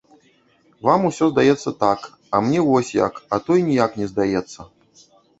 Вам усё здаецца так, а мне вось як, а то і ніяк не здаецца.